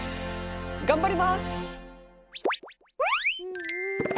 頑張ります！